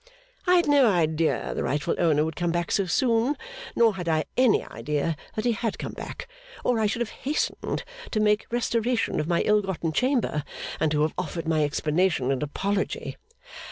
I had no idea the rightful owner would come back so soon, nor had I any idea that he had come back, or I should have hastened to make restoration of my ill gotten chamber, and to have offered my explanation and apology.